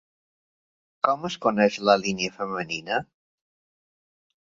Com es coneix la línia femenina?